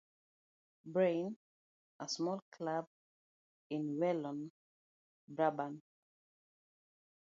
Braine, a small club in Walloon Brabant.